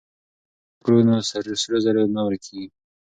که زرګري وکړو نو سرو زرو نه ورکيږي.